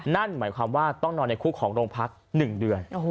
นั่นหมายความว่าต้องนอนในคุกของโรงพัก๑เดือน